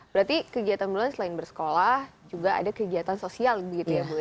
berarti kegiatan bulan selain bersekolah juga ada kegiatan sosial begitu ya bu ya